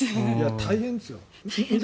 大変ですよ。